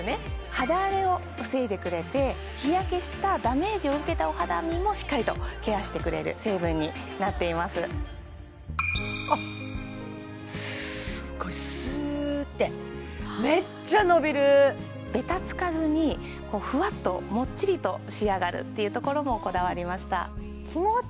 肌荒れを防いでくれて日焼けしたダメージを受けたお肌にもしっかりとケアしてくれる成分になっていますあっすごいスーッてと仕上がるっていうところもこだわりました